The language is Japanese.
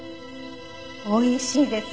おいしいです。